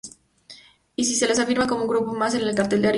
Y se les firma como un grupo más en el cartel de Ariola.